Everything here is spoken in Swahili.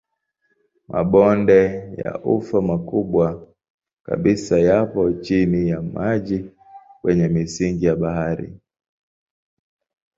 Mabonde ya ufa makubwa kabisa yapo chini ya maji kwenye misingi ya bahari.